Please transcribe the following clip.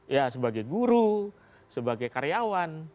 ya sebagai guru sebagai karyawan